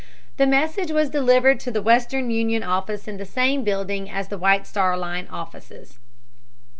The message was delivered to the Western Union office in the same building as the White Star Line offices.